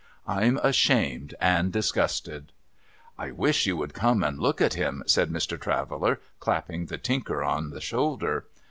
I'm ashamed and disgusted !'' I wish you would come and look at him,' said Mr. Traveller, clapping the Tinker on the shoulder.